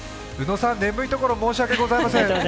宇野さん、眠いところ申し訳ございません。